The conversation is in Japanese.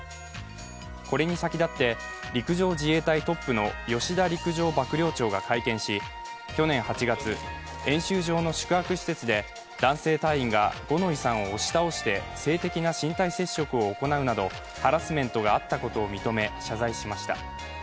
これに先立って、陸上自衛隊トップの吉田陸上幕僚長が会見し去年８月、演習場の宿泊施設で男性隊員が五ノ井さんを押し倒して性的な身体接触を行うなどハラスメントがあったことを認め謝罪しました。